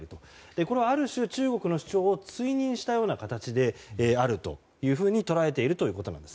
これはある種、中国の主張を追認したような形であると捉えているということです。